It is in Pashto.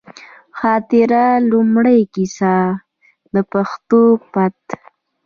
خاطره، لومړۍ کیسه ، د پښتو پت